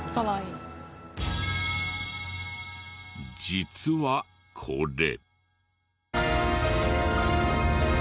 実はこれ。